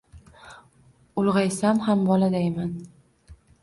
Ulg’aysam ham boladayman.